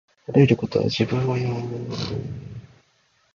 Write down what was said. あらゆることをじぶんをかんじょうに入れずに